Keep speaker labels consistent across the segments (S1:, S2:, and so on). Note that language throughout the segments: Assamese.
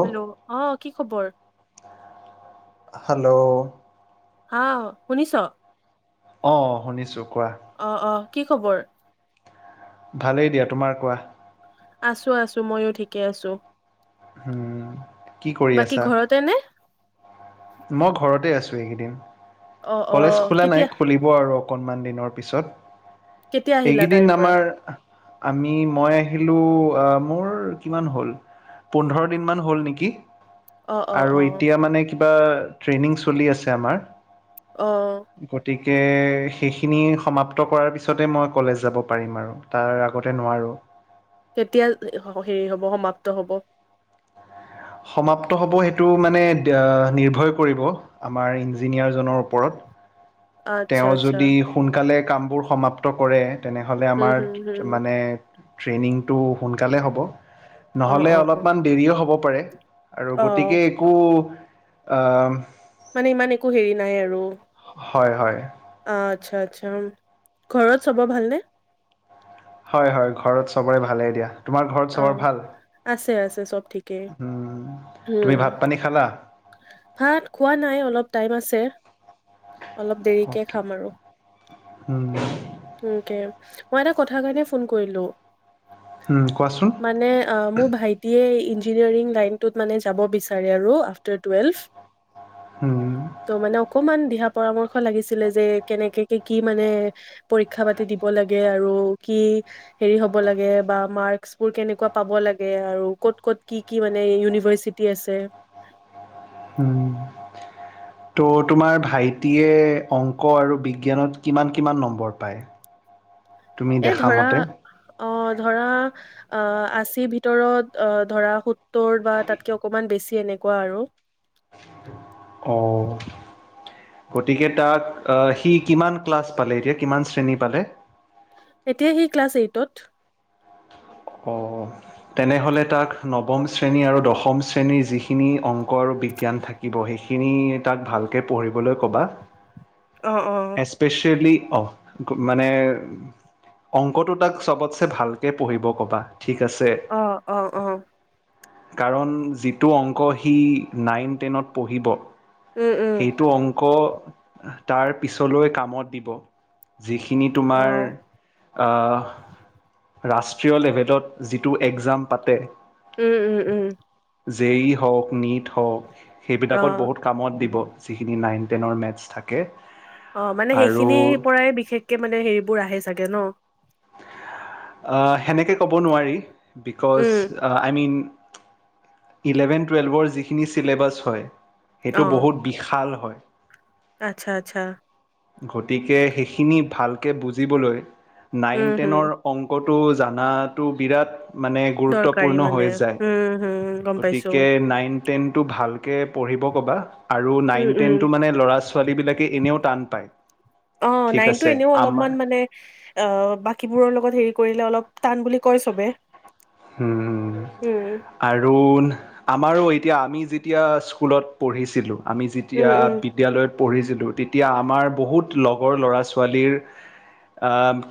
S1: হেল্ল' অ? কি খবৰ?
S2: হেল্ল'
S1: হা শুনিছ?
S2: অ শুনিছো, কোৱা?
S1: অ' কি খবৰ?
S2: ভালেই দিয়া, তোমাৰ কোৱা?
S1: আছো-আছো মইো ঠিকে আছো।
S2: উম কি কৰি
S1: বাকী
S2: আছা?
S1: ঘৰতে নে?
S2: মই ঘৰতে আছো এইকেইদিন।
S1: অ'
S2: কলেজ
S1: অ'
S2: খোলা নাই
S1: কেতিয়া
S2: খুলিব আৰু অকণমান দিনৰ পিছত।
S1: কেতিয়া আহিলা
S2: এইকেইদিন
S1: তাৰে পৰা?
S2: আমাৰ আমি, মই আহিলো, আহ মোৰ কিমান হ'ল? পোন্ধৰ দিন মান হ'ল নেকি?
S1: অ' অ'
S2: আৰু
S1: অ'
S2: এতিয়া মানে ট্ৰেইনিং চলি আছে আমাৰ ।
S1: আহ।
S2: গতিকে সেইখিনি সমাপ্ত কৰাৰ পিছতে মই কলেজ যাব পাৰিম আৰু তাৰ আগতে নোৱাৰোঁ?
S1: কেতিয়া হেৰি হ'ব সমাপ্ত হ'ব।
S2: সমাপ্ত হ'ব সেইটো মানে নিৰ্ভয় কৰিব আমাৰ ইঞ্জিনিয়াৰজনৰ ওপৰত।
S1: আচ্ছা
S2: তেওঁ
S1: আচ্ছা।
S2: যদি সোনকালে। কামবোৰ সমাপ্ত কৰে? তেনেহ'লে
S1: উম হুম হুম
S2: আমাৰ মানে। ট্ৰেইনিংটো সোনকালে হ'ব।
S1: অ'
S2: নহলে
S1: অ' অ'
S2: অলপমান দেৰিও হ'ব। পৰে আৰু
S1: অ'
S2: গতিকে একো। আহ
S1: মানে ইমান একো হেৰি নাই আৰু।
S2: হয় হয়
S1: আচ্ছা আচ্ছা ঘৰত চবৰ ভালনে?
S2: হয় হয় ঘৰত চবৰে ভালেই দিয়া? তোমাৰ ঘৰত চবৰ
S1: অ'
S2: ভাল
S1: আছে আছে চব ঠিকেই।
S2: উম তুমি
S1: উম
S2: ভাত পানী খালা?
S1: ভাত খোৱা নাই অলপ টাইম আছে? অলপ দেৰিকে
S2: অ'কে
S1: খাম আৰু
S2: উম,
S1: কে। মই এটা কথা কাৰণে ফোন কৰিলো?
S2: উম, কোৱাচোন
S1: মানে অ মোৰ ভাইটিয়ে ইনজি। ইঞ্জিনিয়াৰিং লাইনটোত মানে যাব বিচাৰে আৰু। আ্ফটাৰ টুৱেলভ।
S2: উম,
S1: ত মানে অকমান দিহা। পৰামৰ্শ লাগিছিল যে কেনেকে কি মানে পৰা পাতি দিব লাগ আৰু কি হেৰি হব লাগে বা মাৰ্কচ বোৰ কেনেকোৱা পাব লাগে আৰু কত কত কি কি মানে ইউনিভাৰ্ছিটি আছে?
S2: ত' তোমাৰ ভাইটিয়ে অংক আৰু বিজ্ঞানত কিমান কিমান নম্বৰ পায়? তুমি
S1: এ
S2: দেখা
S1: ধৰা
S2: মতে
S1: অ ধৰা। আহ আচি ভিতৰত অ ধৰা হোত। সত্তৰ বা তাতকে অকণমান বেছি এনেকুৱা আৰু
S2: অ গতিকে তাক আহ সি কিমান ক্লাছ পালে এতিয়া কিমান শ্ৰেণী পালে?
S1: এতিয়া সি ক্লাছ এইটত
S2: অ তেনেহ'লে তাক নৱম শ্ৰেণী আৰু দশম শ্ৰেণীৰ যিখিনি অংক আৰু বিজ্ঞান থাকিব সেইখিনি তাক ভালকে পঢ়িবলৈ ক'বা
S1: অ' অ'।
S2: । এস্পেচেলি অঁ মানে অংকটো তাক চবতছে ভালকৈ পঢ়িব ক'বা ঠিক আছে
S1: আহ অ অহ
S2: কাৰণ যিটো অংক সি নাইন টেনত পঢ়িব
S1: উম উম
S2: আকৌ তাৰ পিছলৈ কামত দিব যিখিনি তোমাৰ
S1: অ',
S2: আহ ৰাষ্ট্ থ্ৰেল লেভেডত যিটো এক্সাম পাতে।
S1: উম উম উম
S2: জেই ই হওক নীট হওক সেইবিলাকত
S1: অ',
S2: বহুত কামত দিব যিখিনি নাইন টেনৰ মেথছ থাকে।
S1: অ মানে
S2: আৰু
S1: সেইখিনিৰ পৰাই বিশেষকে মানে হেৰিবোৰ আহে চাগে ন
S2: অ সেনেকে কব নোৱাৰি।
S1: উম,
S2: বিকচ আই মিন। ইলেভেন টুৱেলভৰ যিখিনি চিলেবাছ হয়। সেইটো
S1: অ',
S2: বহুত বিশাল হয়।
S1: আচ্ছা আচ্ছা
S2: গতিকে সেইখিনি ভালকে বুজিবলৈ। নাইন
S1: উম, হুম,
S2: টেনৰ অংকত। তো জানাটো বিৰাট মানে
S1: দৰকাৰী
S2: গুৰুত্বপূৰ্ণ
S1: মানে,
S2: হৈ যায়
S1: উম, হুম, গম পাইছোঁ,
S2: ।গতিকে নাইন। টেনটো ভালকে পঢ়িব ক'বা। আৰু
S1: উম,
S2: নাইন
S1: উম,
S2: টেনটো মানে ল'ৰা ছোৱালীবিলাকে এনেও টান পায়
S1: অ',
S2: ঠিক
S1: নাইনটো
S2: আছে
S1: এনেও
S2: আমাৰ।
S1: অলপমান মানে অ বাকীবোৰৰ লগত হেৰি কৰিলে অলপ টান বুলি কয় চবে।
S2: উম
S1: উম,
S2: আৰু আমাৰো এই। তেতিয়া আমি যেতিয়া স্কুলত পঢ়িছিলোঁ আমি
S1: উম,
S2: যেতিয়া
S1: উম,
S2: বিদ্যালয়ত। পঢ়িছিলোঁ তেতিয়া আমাৰ বহুত লগৰ ল'ৰা ছোৱালীৰ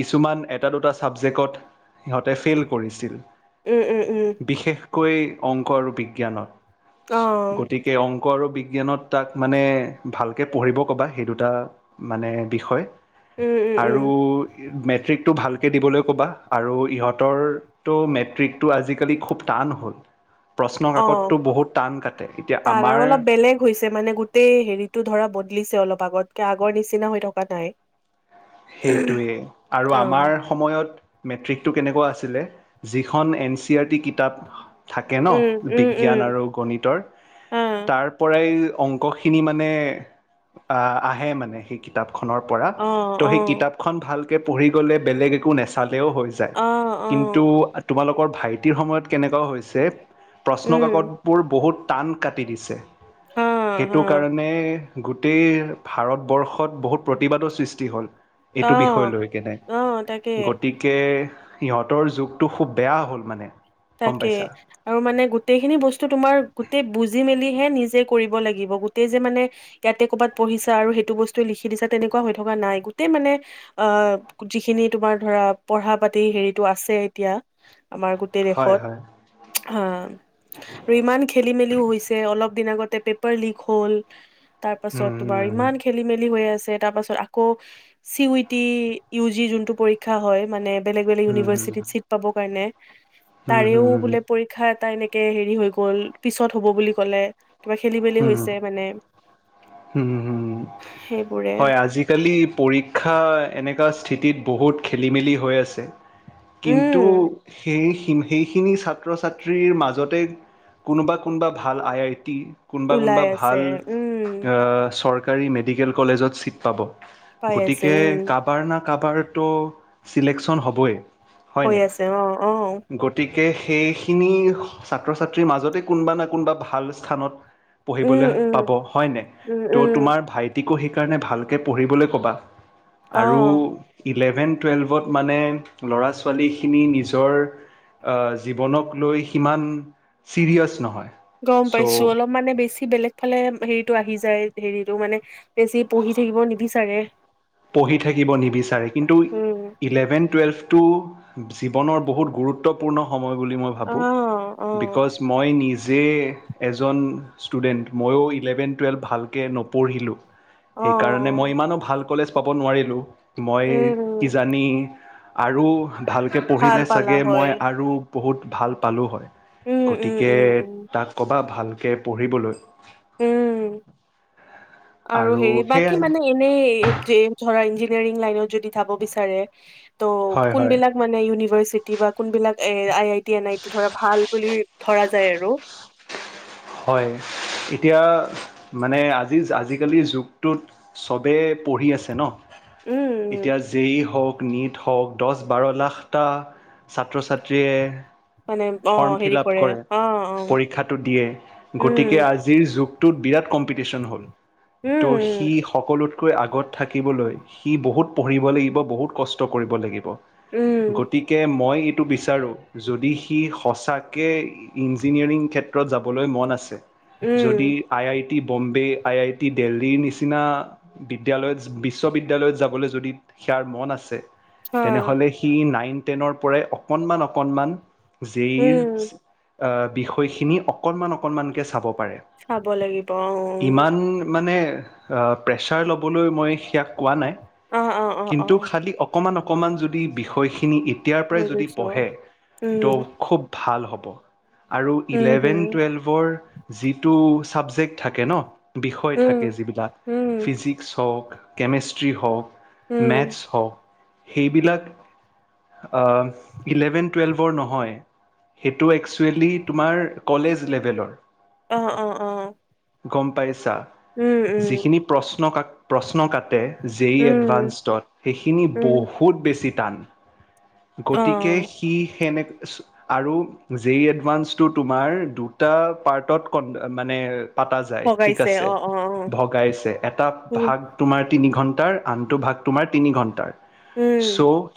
S2: কিছুমান এটা দুটা ছাবজেক্টত সিহঁতে ফেইল কৰিছিল।
S1: উম উম উম
S2: কৈ অংক আৰু বিজ্ঞানত।
S1: অ',
S2: গতিকে অংক আৰু বিজ্ঞান বিজ্ঞানত তাক মানে ভালকৈ পঢ়িব ক'বা সেই দুটা মানে বিষয় ।
S1: উম, উম, উম,
S2: আৰু মে মেট্ৰিকটো ভালকৈ দিবলৈ ক'বা আৰু ইহঁতৰতো মে ট্ৰিকটো আজিকালি খুব টান হ'ল। প্ৰশ্ন
S1: অ
S2: কাকতটো বহুত টান কাটে এতিয়া
S1: তাৰ
S2: আমাৰ
S1: আৰু অলপ বেলেগ হৈছে মানে গোটেই হেৰিতটো ধৰা বদলিছে অলপ। আগতকে আগৰ নিচিনা হৈ থকা নাই ।
S2: সেইটোৱেই আৰু আমাৰ সময়ত মেট্ৰিকটো কেনেকোৱা আছিলে যিখন এন চি আৰ টি কিতাপ থাকে ন
S1: উম, উম,
S2: বিজ্ঞান
S1: উম,
S2: আৰু গণিতৰ
S1: অ',
S2: তাৰ পৰাই অংকখিনি মানে আহে মানে সেই কিতাপ খনৰ পৰা
S1: অ',
S2: ত' সেই
S1: অ',
S2: কিতাপখন ভাল কে পঢ়ি গ'লে বেলেগ একো নেচালে হৈ যায়
S1: অ',
S2: কিন্তু
S1: অ',
S2: তোমালোকৰ ভাইটিৰ সময়ত কেনেকোৱা হৈছে
S1: উম,
S2: প্ৰশ্নকাকতবোৰ বহুত টান কাটি দিছে
S1: হা,
S2: সেইটো
S1: হা,
S2: কাৰণে গোটেই ভাৰতবৰ্ষত বহুত প্ৰতিবাদৰ সৃষ্টি হ'ল এইটো বিষয়
S1: অ',
S2: লৈ কেনে
S1: অ', তাকে,
S2: গতিকে সিহঁতৰ যুগটো খুব বেয়া হ'ল মানে গম
S1: তাকে
S2: পাইছা
S1: আৰু মানে গো গোটেইখিনি বস্তু তোমাৰ গোটেই বুজি মেলিহে নিজে কৰিব লাগিব গোটেই যে মানে ইয়াতে কৰ'বাত পঢ়িছা আৰু সেইটো বস্তু লিখি দিছা তেনেকুৱা হৈ থকা নাই গোটেই মানে আহ যিখিনি তোমাৰ ধৰা পঢ়া পাতি হেৰিটো আছে এতিয়া আমাৰ গোটেই
S2: হয়
S1: দেশত
S2: হয়
S1: আৰু ইমান খেলি মেলিও হৈছে অলপ দিন আগতে পেপাৰ লিক হ'ল তাৰ
S2: উম
S1: পাছত তোমাৰ
S2: উম
S1: ইমান খেলি মেলি হৈ আছে তাৰপাছত আকৌ C U T U G যোনটো পৰীক্ষা হয় মানে বেলেগ বেলেগ
S2: উম উম,
S1: ইনিভাৰ্চিটিত ছিট পাব কাৰণে
S2: উম হুম
S1: তাৰেও
S2: হুম
S1: বোলে পৰীক্ষাত এটা এনেকে হেৰি হৈ গ'ল পিছত হ'ব বুলি ক'লে কিবা খেলি মেলি
S2: উম,
S1: হৈছে মানে
S2: উম, ওম ওম
S1: সেইবোৰে
S2: হয় আজিকালি পৰীক্ষা এনেকা স্থিতিত বহুত খেলিমেলি হৈ আছে । কিন্তু
S1: উম
S2: সেই, সেইখিনি ছাত্ৰ ছাত্ৰীৰ মাজতে কোনোবা কোনোবা ভাল আই আই টি । কোনোবা
S1: ওলাই
S2: কোনোবা
S1: আছে
S2: ভাল
S1: উম
S2: চৰকা চৰকাৰী মেডিকেল কলেজত ছিট পাব।
S1: পাই আছে
S2: গতিকে
S1: উম
S2: কাবাৰ না কাৰবাৰ তো চিলেকচন হ'বই। হয়
S1: হৈ
S2: নাই?
S1: আছে অ অ।
S2: গতিকে সেইখিনি ছাত্ৰ ছাত্ৰীৰ মাজতে কোনোবা নে কোনোবা ভাল স্থানত পঢ়িবলৈ
S1: উম উম
S2: পাব হয়নে
S1: উম
S2: ত'
S1: উম
S2: তোমাৰ ভাইটিকো শিক কাৰণে ভালকৈ পঢ়িবলৈ ক'বা ।
S1: অ
S2: আৰু ইলেভেন টুৱেলভত মানে ল'ৰা ছোৱালীখিনি নিজৰ জীৱনক লৈ সিমান চিৰিয়াছ নহয়।
S1: গম পাইছো
S2: চ'
S1: অলপ মানে বেছি বেছি বেলেগ ফালে হেৰিটো আহি যায় হেৰিটো মানে বেছি পঢ়ি থাকিব নিবিচাৰে।
S2: পঢ়ি থাকিব নিবিচাৰে কিন্তু
S1: উম
S2: ইলেভেন টুৱেল্ভ জীৱনৰ বহুত গুৰুত্বপূৰ্ণ সময়। বুলি মই ভাবো
S1: অ', অ',
S2: বেকজ মই নিজে যে এজন ষ্টুডেণ্ট ময়ো ইলেভেন টুৱেলভ ভালকৈ নপঢ়িলোঁ।
S1: অ',
S2: সেইকাৰণে
S1: অ',
S2: মই ইমানো ভাল কলেজ পাব নোৱাৰিলোঁ মই
S1: উম,
S2: কিজানি আৰু ভালকৈ
S1: ভাল
S2: পঢ়িলে
S1: পালা
S2: চাগে
S1: হয়।
S2: মই আৰু বহুত ভাল পালোঁ হয়।
S1: উম, উম,
S2: গতিকে
S1: উম, উম,
S2: তাক কবা, ভালকৈ পঢ়িবলৈ।
S1: উম। আৰু হেৰি বাকী মানে এনেই ধৰা ইঞ্জ নিয়াৰিঙত যদি যাব বিচাৰে ত'
S2: হয় হয়
S1: কোনবিলাক মানে ইউনিভাৰ্চিটি বা কোনবিলাক? এ I I T N I T ধৰা ভাল বুলি ধৰা যায় আৰু?
S2: হয় এতিয়া মানে আজি আজিকালিৰ যুগটোত চবেই পঢ়ি আছে ন
S1: উম, উম,
S2: এতিয়া যেই হওক- নিট হক দছ বাৰ লাখটা ছাত্ৰ ছাত্ৰীয়ে-
S1: মানে, অ
S2: ফৰ্ম ফিল
S1: হেৰি,
S2: আপ
S1: কৰে অ অ।
S2: পৰীক্ষাটো দিয়ে গতিকে
S1: উম,
S2: আজিৰ- যুগটোত বিৰাট কম্পিটিচন হ'ল। ত, সি
S1: উম,
S2: সকলোত- কৈ আগত থাকিবলৈ সি বহুত পঢ়িব লাগিব, বহুত কষ্ট কৰিব লাগিব।
S1: উম,
S2: গতিকে মই- টো বিচাৰোঁ, যদি সি সচাকে ইঞ্জনিয়াৰিং ক্ষেত্ৰত যাব- ক'বলৈ মন আছে।
S1: উম,
S2: যদি,
S1: উম,
S2: I I- T Bombay, I I T দিল্লীৰ নিচিনা বিদ্যালয়ত, বিশ্ববিদ্যালয়ত যাবলৈ যদি সেয়াৰ মন আছে-
S1: অ',
S2: তেনেহলে সি নাইন- টেনৰ পৰাই অকণমান অকণমান- জে ই
S1: উম,
S2: ৰ- বিষয়খিনি- অকণমান অকণমানকে চাব- পাৰে,
S1: চাব লাগিব
S2: ইমান
S1: অ',
S2: মানে- প্ৰেছাৰ ল'বলৈ মই সেয়াক কোৱা নাই।
S1: অ', অ', অ',
S2: কিন্তু
S1: অ',
S2: খালি অকমান অ- অকণমান যদি বিষয়খিনি- এতিয়াৰ পৰাই যদি
S1: বুজিছো।
S2: বহে, ত
S1: উম,
S2: খুব- ভাল হ'ব। আৰু
S1: উম, হুম,
S2: ইলেভেন- টোৱেলভৰ যিটো- চাবজেক্ট থাকে ন- বিষয় থাকে
S1: উম,
S2: যিবিলাক
S1: উম,
S2: ফিজিক্স হওক। কেমেষ্ট্ৰি হওক-
S1: উম,
S2: মেথছ হওক- সেইবিলাক অ ইলেভেন টুৱেলভৰ নহয়, সেইটো একচুৱেলি তোমাৰ কলেজ লেভেলৰ।
S1: অ, অ, অ, অ।
S2: গম পাইছা।
S1: উম, উম,
S2: যিখিনি প্ৰশ্ন কাক- প্ৰশ্ন কাটে যে ই
S1: উম,
S2: এডভানটডত সেইখিনি
S1: উম,
S2: বহুত বেছি টান গতিকে
S1: অ',
S2: সি সেনেকোৱা আৰু জেই এডভানচটো তোমাৰ দুটা পাৰ্টত কণ মানে পাতা যায় ঠিক
S1: ভগাইছে
S2: আছে
S1: অ', অ', অ',
S2: ভগাইছে এটা
S1: উম,
S2: ভাগ তোমাৰ তিনি ঘণ্টা তাৰ আনটো ভাগ তোমাৰ তিনি ঘণ্টাৰ চ'
S1: উম,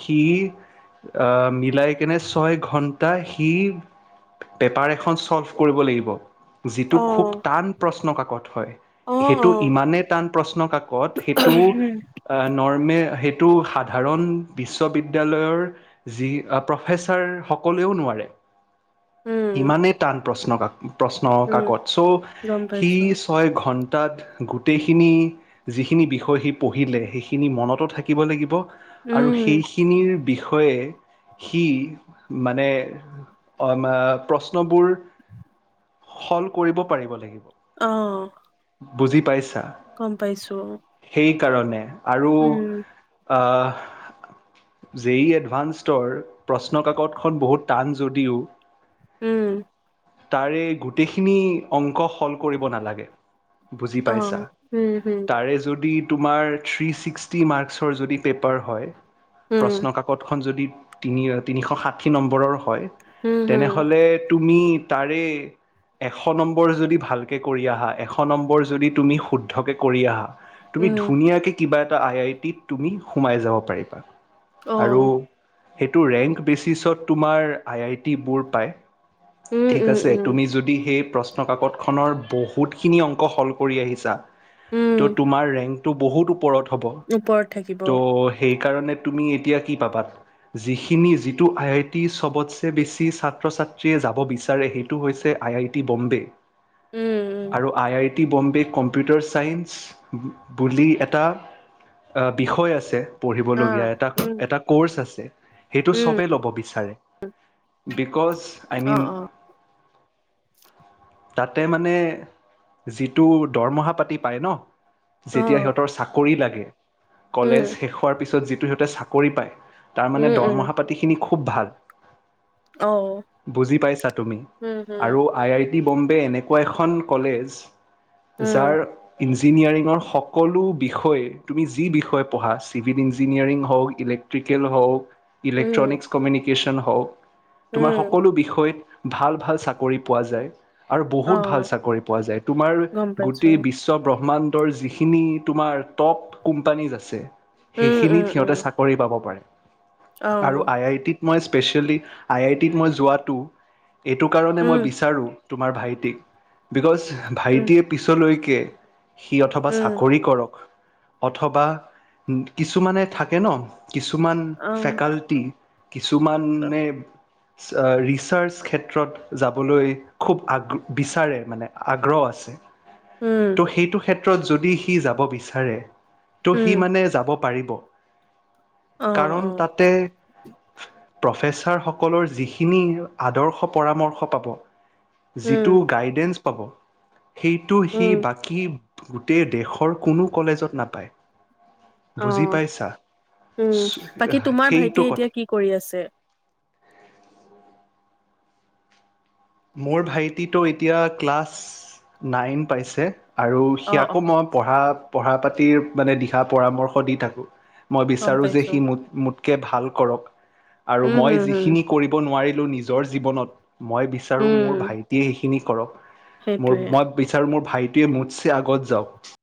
S2: সি অ ম মিলাই কিনে ছয় ঘণ্টা টা সি পেপাৰ এখন চলভ কৰিব লাগিব যিটো খুব
S1: অ',
S2: টান প্ৰশ্ন কাক কত হয়
S1: অ',
S2: সেইটো
S1: অ',
S2: ইমানে টান প্ৰশ্ন কাকত সেইটো নৰৰ্মে সেই এইটো সাধাৰণ বিশ্ববিদ্যালয়ৰ যি প্ৰফেচাৰ সকলেও নোৱাৰে
S1: উম,
S2: ইমানেই টান প্ৰশ্ন কাকত প্ৰশ্ন
S1: উম,
S2: কাকত চ'
S1: গম
S2: সি
S1: পাইছো,
S2: ছয় ঘন্টা তাত গোটেইখিনি যিখিনি বিষয় সি পঢ়িলে সেইখিনি মনতো থাকিব লাগিব আৰু
S1: উম,
S2: সেইখিনিৰ বিষয়ে সি মানে অ মা প্ৰস্তত প্ৰশ্নবোৰ হল কৰিব পাৰিব লাগিব
S1: আহ
S2: বুজি পাইছা
S1: গম পাইছো
S2: কাৰণে আৰু
S1: উম,
S2: আ জেই ই এডভাননৰ প্ৰশ্ন কাকতখন বহুত টান যদিও
S1: উম
S2: তাৰে গোটেইখিনি অংক সল কৰিব নালাগে বুজি পাইছা
S1: অ', উম, হুম,
S2: তাৰে যদি তোমাৰ থ্ৰি ছিক্সট্ৰি মাক্সৰ যদি পেপাৰ হয়
S1: উম,
S2: প্ৰশ্ন কাকত খন যদি তিনিৰ তিনিশ ষাঠি নম্বৰৰ । হয়
S1: হুম,
S2: তেনে
S1: হুম,
S2: । হ'লে তুমি। তাৰে এশ নম্বৰ যদি ভালকে কৰি আহা এশ নম্বৰ যদি তুমি শুদ্ধকে কৰি আহা। তুমি
S1: উম,
S2: ধুনীয়াকে কিবা এটা । এ আই আই টি তুমি সোমাই যাব পাৰিবা।
S1: অহ
S2: আৰু
S1: ।
S2: সেইটো ৰেংক বেচিচত তোমাৰ আই আই টিবোৰ । পায়।
S1: উম,
S2: ঠিক
S1: উম,
S2: আছে
S1: উম,
S2: তুমি যদি সেই । প্ৰশ্ন কাকত খনৰ বহুত খিনি অংক সল কৰি আহিছা ।
S1: উম,
S2: ত' তোমাৰ ৰেংক । তো বহুত ওপৰত। হ'ব
S1: ওপৰত থাকিব,
S2: ত সেই। কাৰণে তুমি এতিয়া কি পাবা যিখিনি যিটো আইটি ছবতচে বেছি চা। ছাত্ৰ ছাত্ৰীয়ে যাব বিচাৰে সেইটো হৈছে আই আই টি বম্বে।
S1: উম, উম,
S2: আৰু I I. T Bombay computer science বুলি এটা বিষয় আছে ।
S1: আ,
S2: পঢ়িবলগীয়া এটা
S1: উম,
S2: এটা ক'ৰ্চ আছে । সেইটো
S1: উম,
S2: চবেই ল'ব বিচাৰে । বিকজ আই
S1: অ
S2: মিন।
S1: অ
S2: তাতে মানে যিটো দৰমহা পাতি পায় ন ।
S1: অ
S2: যেতিয়া সিহঁতৰ চাকৰি লাগে । হম । কলেজ
S1: উম
S2: শেষ হোৱাৰ পিছত জি । সিহঁতে চাকৰি পায় । তাৰ মানে
S1: উম উম
S2: দৰমহা পাতি খিনি । খুব ভাল।
S1: অ
S2: বুজি পাইছা তুমি
S1: উম উম
S2: আৰু আই আই । ইটি বম্বে এনেকুৱা এখন কলেজ । যাৰ
S1: উম
S2: ই। ইঞ্জিনিয়াৰিঙৰ সকলো বিষয়ে তুমি যি বিষয়ে পঢ়া চিভিল ইঞ্জিনিয়াৰিং হওক ইলেক্ট্ৰিকেল হওক।
S1: উম
S2: ইলে্ট্ৰনিক্ কমিউনিক । কেশচন হক, তোমাৰ
S1: উম
S2: সকলো বিষয়ত ভাল, ভাল চাকৰি পোৱা যায়। আৰু
S1: অ
S2: বহুত ভাল চাকৰি পোৱা যায়, তোমাৰ
S1: গম পাইছো
S2: গোটেই বিশ্ব ব্ৰহ্মাণ্ড, ত যিখিন তোমাৰ টপ কোম্পানীত আছে।
S1: উম উম
S2: সেইখিনিত
S1: উম
S2: সিহঁতে চাকৰি পাব পাৰে।
S1: অ
S2: আৰু আই, আই টিত মই স্পেচিয়েলি আই, আই টিত মই যোৱাটো এইটো কাৰণে মই
S1: উম
S2: বিচাৰোঁ তোমাৰ ভাইটিক বিকজ
S1: উম
S2: ভাইটিয়ে পিছলৈ একে সি অথবা
S1: উম
S2: চাকৰি কৰক। অথবা কিছুমানে থাকে ন কিছুমান
S1: অ
S2: ফেকাল্টি। কিছুমানে ৰিচাৰ্জ ক্ষেত্ৰত যাবলৈ, খুব আগ বিচাৰে মানে আগ্ৰহ আছে
S1: উম
S2: ত' সেইটো ক্ষেত্ৰত ক্ষেত্ৰত যদি সি যাব বিচাৰে ত
S1: উম
S2: সি মানে যাব পাৰিব।
S1: অ অ
S2: কাৰণ তাতে প্ৰফেচাৰ সকলৰ যিখিনি আদৰ্শ পৰামৰ্শ পাব
S1: উম
S2: যিটো গাইডেন্স পাব সেইটো সি
S1: উম
S2: বাকী গোটেই দেশৰ কোনো কলেজত নাপায়।
S1: অ
S2: বুজি পাইছা
S1: উম, বাকী তোমাৰ
S2: সেইটো
S1: ভাইটিয়ে এতিয়া
S2: কথা
S1: কি কৰি আছে?
S2: মোৰ ভাইটিতো এতিয়া ক্লাছ নাইন পাইছে। আৰু
S1: অ অ
S2: সিয়াকো মই পঢ়াত। পঢ়া পাতিৰ মানে দিশা পৰামৰ্শ দি থাকোঁ। মই
S1: গম
S2: বিচাৰোঁ যে
S1: পাইছো
S2: সি মোত মোত কে ভাল কৰক আৰু
S1: উম
S2: মই
S1: হম হম
S2: যিখিনি কৰিব নোৱাৰিলোঁ। মোৰ নিজৰ জীৱনত মই। আৰু
S1: উম
S2: মোৰ ভাইটিয়ে কিনি কৰক মোৰ
S1: সেইটোৱে
S2: মই বিচাৰোঁ মোৰ ভাইটিৱে মুঠছে আগত যাওঁক।